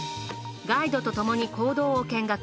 ガイドとともに坑道を見学。